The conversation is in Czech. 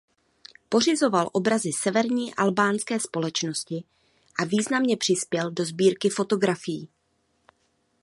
Pořizoval obrazy severní albánské společnosti a významně přispěl do sbírky fotografií.